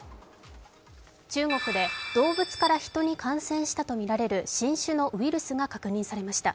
中国で動物からヒトに感染したとみられる新種のウイルスが確認されました。